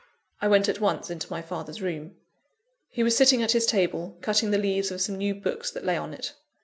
I went at once into my father's room. He was sitting at his table, cutting the leaves of some new books that lay on it.